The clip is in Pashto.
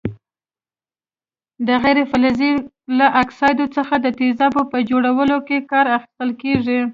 د غیر فلزونو له اکسایډونو څخه د تیزابونو په جوړولو کې کار اخیستل کیږي.